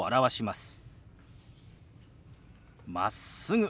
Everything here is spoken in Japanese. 「まっすぐ」。